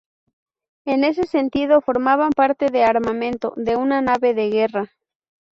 En este sentido formaban parte de "armamento" de una nave de guerra.